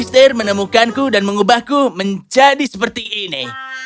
tapi ketika aku menggunakan alistair alistair mengubahku menjadi seperti ini